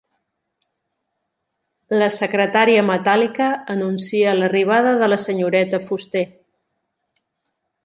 La secretària metàl·lica anuncia l'arribada de la senyoreta Fuster.